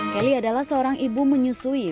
kelly adalah seorang ibu menyusui